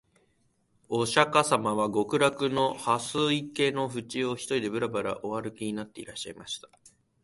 御釈迦様は極楽の蓮池のふちを、独りでぶらぶら御歩きになっていらっしゃいました